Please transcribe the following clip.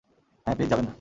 হ্যাঁ, প্লিজ যাবেন না।